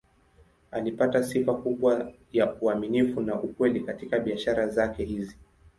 Alipata sifa kubwa ya uaminifu na ukweli katika biashara zake hizi.